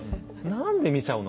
何で見ちゃうのかな。